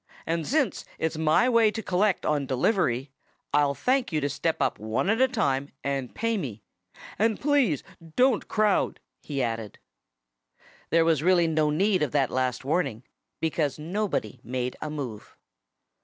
And since it's my way to collect on delivery, I'll thank you to step up one at a time and pay me. ... And please don't crowd!" he added. There was really no need of that last warning, because nobody made a move.